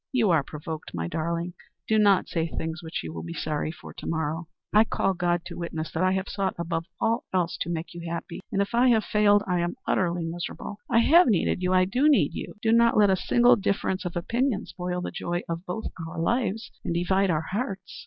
"You are provoked, my darling. Do not say things which you will be sorry for to morrow. I call God to witness that I have sought above all else to make you happy, and if I have failed, I am utterly miserable. I have needed you, I do need you. Do not let a single difference of opinion spoil the joy of both our lives and divide our hearts."